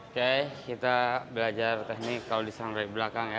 oke kita belajar teknik kalau diserang dari belakang ya